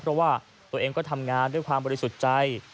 เพราะว่าตัวเองด้วยความบริสุทธิ์ใจ